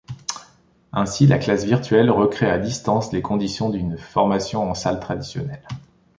Ainsi, la classe virtuelle recrée à distance les conditions d’une formation en salle traditionnelle.